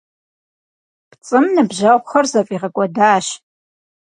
ПцӀым ныбжьэгъухэр зэфӀигъэкӀуэдащ.